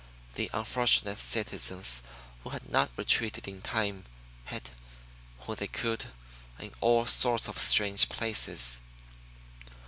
The unfortunate citizens who had not retreated in time hid, when they could, in all sorts of strange places.